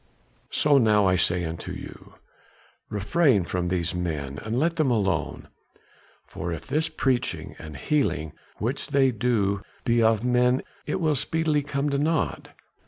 So now I say unto you, refrain from these men and let them alone, for if this preaching and healing which they do be of men it will speedily come to naught.